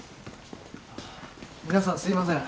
皆さんすいません。